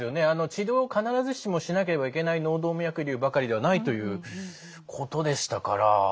治療を必ずしもしなければいけない脳動脈瘤ばかりではないということでしたから。